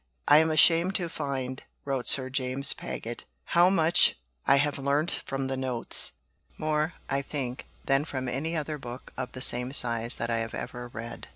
"I am ashamed to find," wrote Sir James Paget, "how much I have learnt from the Notes, more, I think, than from any other book of the same size that I have ever read."